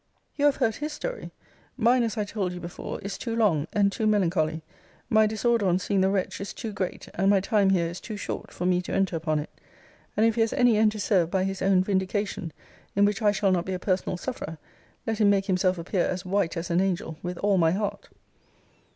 You have heard his story. Mine, as I told you before, is too long, and too melancholy: my disorder on seeing the wretch is too great; and my time here is too short, for me to enter upon it. And if he has any end to serve by his own vindication, in which I shall not be a personal sufferer, let him make himself appear as white as an angel, with all my heart.